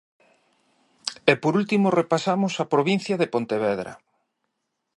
E por último repasamos a provincia de Pontevedra.